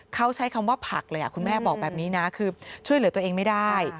เขาใช้คำว่าผักเลยคุณแม่บอกแบบนี้นะคือช่วยเหลือตัวเองไม่ได้